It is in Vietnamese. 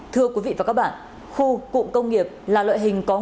thưa quý vị và các bạn khu cụ công nghiệp là loại hình có nguyên liệu